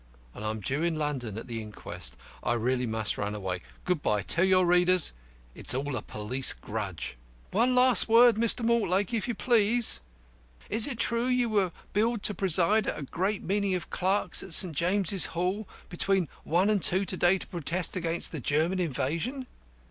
and I'm due in London at the inquest. I must really run away. Good by. Tell your readers it's all a police grudge." "One last word, Mr. Mortlake, if you please. Is it true that you were billed to preside at a great meeting of clerks at St. James's Hall between one and two to day to protest against the German invasion?"